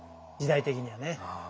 時代的にはね。